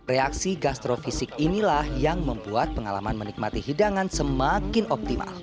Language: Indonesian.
reaksi gastrofisik inilah yang membuat pengalaman menikmati hidangan semakin optimal